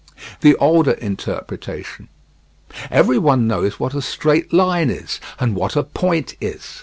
The older interpretation: Every one knows what a straight line is, and what a point is.